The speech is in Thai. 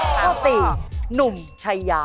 ข้อ๔หนุ่มชัยยา